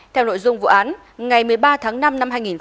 theo nội dung vụ án ngày một mươi ba tháng năm năm hai nghìn một mươi tám